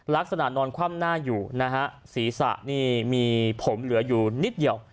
นอนคว่ำหน้าอยู่นะฮะศีรษะนี่มีผมเหลืออยู่นิดเดียว